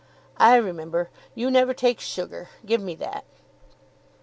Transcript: I remember; you never take sugar; give me that."